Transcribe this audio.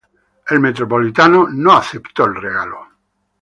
El Metropolitan no acepto el regalo.